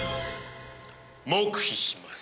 黙秘します。